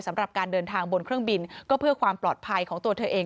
สำหรับการเดินทางบนเครื่องบินก็เพื่อความปลอดภัยของตัวเธอเอง